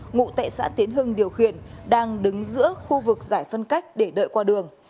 ngụ tại xã tiến hưng điều khiển đang đứng giữa khu vực giải phân cách để đợi qua đường